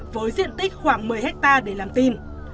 với diện tích khoảng một mươi ha để làm tin